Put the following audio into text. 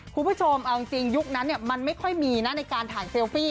คุณผู้ชมเอาจริงยุคนั้นมันไม่ค่อยมีนะในการถ่ายเซลฟี่